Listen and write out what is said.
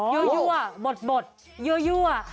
โยโย่บดโยยี่ว